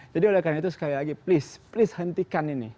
jadi oleh karena itu sekali lagi please please hentikan ini